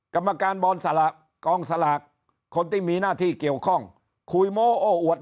กรรมการบอลสลากกองสลากคนที่มีหน้าที่เกี่ยวข้องคุยโม้โอ้อวด